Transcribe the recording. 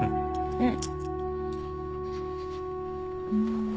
うん。